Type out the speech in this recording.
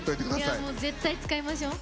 いやもう絶対使いましょう。